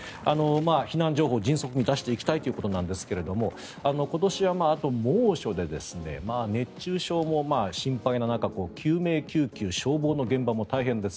避難情報、迅速に出していきたいということなんですが今年、あと猛暑で熱中症も心配な中救命救急、消防の現場も大変です。